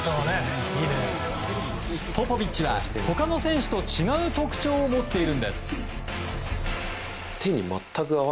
ポポビッチは他の選手と違う特徴を持っているんです。